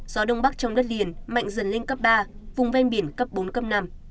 gió đông bắc trong đất liền mạnh dần lên cấp ba vùng ven biển cấp bốn cấp năm